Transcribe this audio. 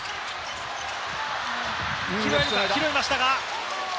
拾いましたが。